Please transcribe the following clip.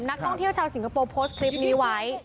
นักท่องเที่ยวชาวสิงคโปร์โพสต์คลิปนี้ไว้